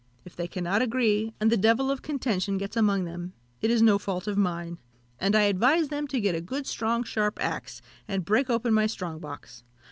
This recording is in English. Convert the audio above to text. If they cannot agree, and the devil of contention gets among them, it is no fault of mine; and I advise them to get a good strong sharp axe, and break open my strong box.